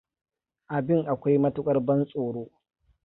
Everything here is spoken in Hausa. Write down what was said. Abin akwai matukar ban tsoro.